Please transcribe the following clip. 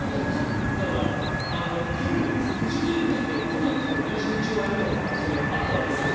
だから富士フイルムだってコダックと同じ道を歩んだ可能性はあったわけです。